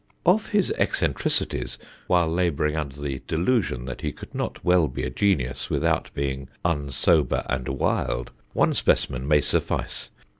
"Of his eccentricities while labouring under the delusion that he could not well be a genius without being unsober and wild, one specimen may suffice.